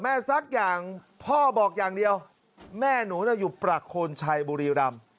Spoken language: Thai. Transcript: สักอย่างพ่อบอกอย่างเดียวแม่หนูอยู่ประโคนชัยบุรีรำ